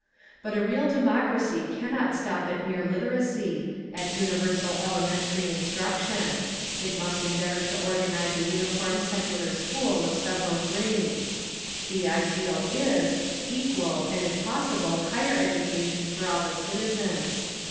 But a real democracy cannot stop at mere literacy, at universal elementary instruction. It must endeavour to organise a uniform secular school of several grades. The ideal is, equal and if possible higher education for all the citizens.